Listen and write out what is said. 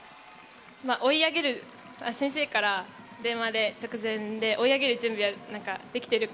先生から電話で直前で追い上げる準備はできてるか？